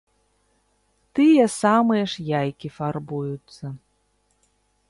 Тыя самыя ж яйкі фарбуюцца.